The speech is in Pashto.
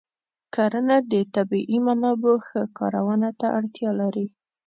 کرنه د طبیعي منابعو ښه کارونه ته اړتیا لري.